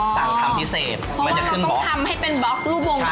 สามคำพิเศษมันจะขึ้นบล็อกเพราะว่าเราต้องทำให้เป็นบล็อกรูปวงกลม